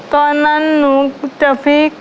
ตอนนั้นหนูจะฟิก